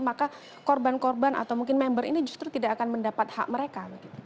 maka korban korban atau mungkin member ini justru tidak akan mendapat hak mereka